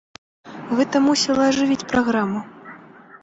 Гэта мусіла ажывіць праграму.